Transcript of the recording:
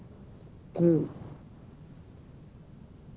こう。